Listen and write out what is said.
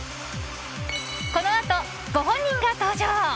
このあと、ご本人が登場！